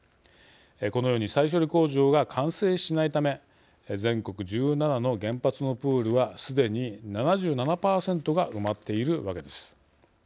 このように再処理工場が完成しないため全国１７の原発のプールはすでに７７％が埋まっているわけです。